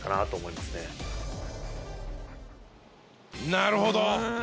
なるほど。